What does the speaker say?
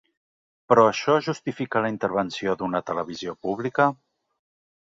Però això justifica la intervenció d’una televisió pública?